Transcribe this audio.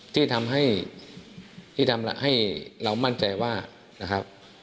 ที่ทำให้เรามั่นใจว่า